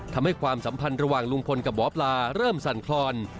ความสัมพันธ์ระหว่างลุงพลกับหมอปลาเริ่มสั่นคลอน